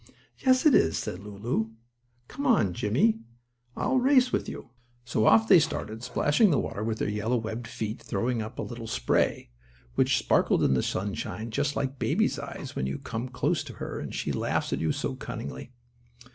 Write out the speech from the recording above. "Yes it is," said Lulu. "Come on, Jimmie, I'll race with you." So off they started, splashing the water with their yellow, webbed feet, throwing up a little spray, which sparkled in the sunshine, just like baby's eyes when you come close to her and she laughs at you so cunningly.